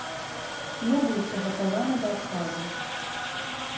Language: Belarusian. Не быў прыгатаваны да адказу.